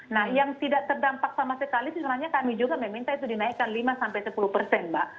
nah yang tidak terdampak sama sekali sebenarnya kami juga meminta itu dinaikkan lima sampai sepuluh persen mbak